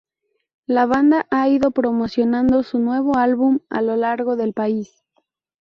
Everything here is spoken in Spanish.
La banda ha ido promocionando su nuevo álbum a lo largo del país.